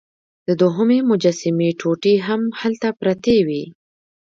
د دوهمې مجسمې ټوټې هم هلته پرتې وې.